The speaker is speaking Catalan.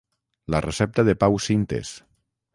la recepta de Pau Sintes